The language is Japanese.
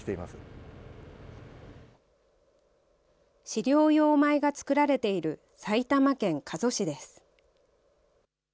飼料用米が作られている埼玉県加須市です。